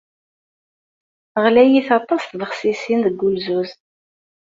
Ɣlayit aṭas tbexsisin deg wulzuz.